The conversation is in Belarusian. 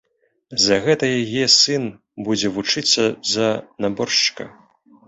За гэта яе сын будзе вучыцца за наборшчыка.